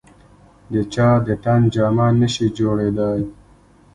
د چا د تن جامه نه شي جوړېدای.